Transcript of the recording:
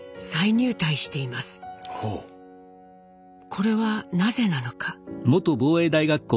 これはなぜなのか？